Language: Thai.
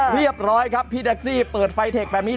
เรียบร้อยครับพี่แท็กซี่เปิดไฟเทคแบบนี้